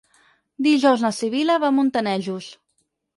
Dijous na Sibil·la va a Montanejos.